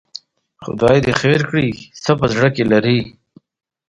خدای دې خیر کړي، څه په زړه کې لري؟